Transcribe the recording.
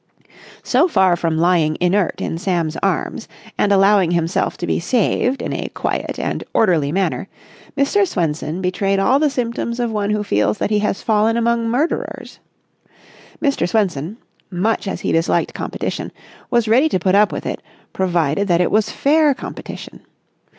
So far from lying inert in Sam's arms and allowing himself to be saved in a quiet and orderly manner, Mr. Swenson betrayed all the symptoms of one who feels that he has fallen among murderers. Mr. Swenson, much as he disliked competition, was ready to put up with it, provided that it was fair competition.